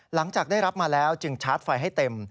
หลังจากได้รับมาแล้วจึงชาร์จไฟให้เต็ม